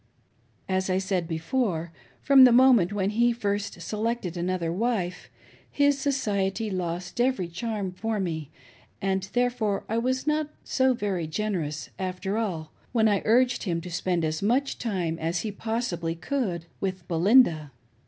"IN THE FOOTSTEPS OF BROTHER BRIGHAM." 533 A? I said before, from the moment when he first selected another wife, his society lost every charm for me, and there fore I was not so very generous, after all, when I urged him to spend as much time as he possibly could with Belinda.